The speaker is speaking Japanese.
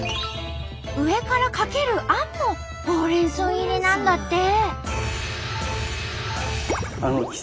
上からかけるあんもほうれん草入りなんだって。